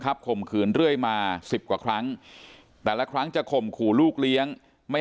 คับข่มขืนได้มา๑๐กว่าครั้งแต่ละครั้งจะข่มขู่ลูกเลี้ยงไม่